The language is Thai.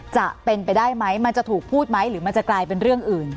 จะเป็นไปได้ไหมมันจะถูกพูดไหมหรือมันจะกลายเป็นเรื่องอื่น